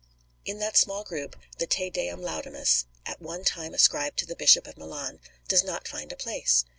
In that small group the Te Deum laudamus, at one time ascribed to the Bishop of Milan, does not find a place.